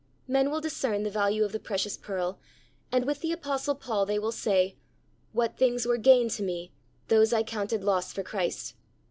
Men will discern the value of the precious pearl, and with the apostle Paul they will say, "What things were gain to me, those I counted loss for Christ.